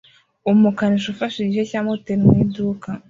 Umukanishi ufashe igice cya moteri mu iduka